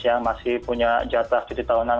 yang masih punya jatah cuti tahunan